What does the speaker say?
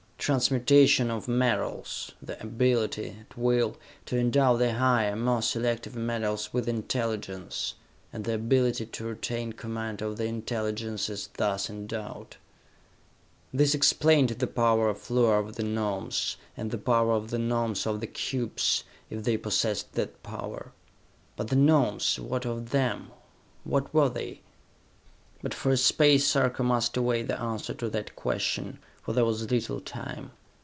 Transmutation of metals ... the ability, at will, to endow the higher, more selective metals with intelligence ... and the ability to retain command of the intelligences thus endowed. This explained the power of Luar over the Gnomes, and the power of the Gnomes over the cubes if they possessed that power. But the Gnomes, what of them? What were they? But for a space Sarka must await the answer to that question, for there was little time.